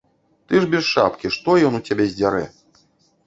Ты ж без шапкі, што ён у цябе здзярэ?